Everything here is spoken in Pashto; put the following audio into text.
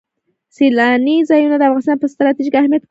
سیلانی ځایونه د افغانستان په ستراتیژیک اهمیت کې رول لري.